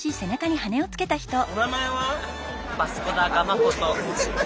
お名前は？